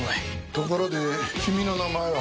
ところで君の名前は？